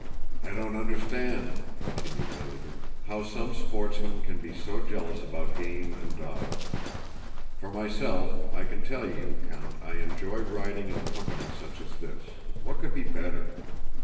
"I don't understand," continued Ilágin, "how some sportsmen can be so jealous about game and dogs. For myself, I can tell you, Count, I enjoy riding in company such as this... what could be better?"